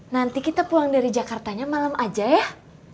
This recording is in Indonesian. nanti kita pulang dari jakartanya malam aja ya